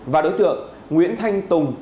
và đối tượng nguyễn thanh tùng